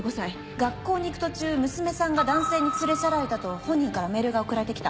学校に行く途中娘さんが男性に連れ去られたと本人からメールが送られて来た。